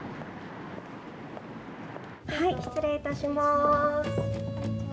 失礼いたします。